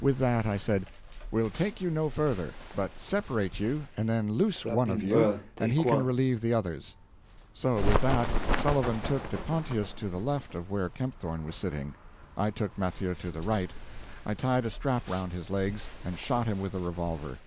With that I said, 'We'll take you no further, but separate you, and then loose one of you, and he can relieve the others.' So with that, Sullivan took De Pontius to the left of where Kempthorne was sitting. I took Mathieu to the right. I tied a strap round his legs, and shot him with a revolver.